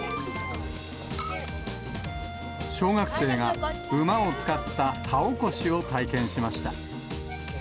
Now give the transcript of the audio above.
小学生が、馬を使った田起こしを体験しました。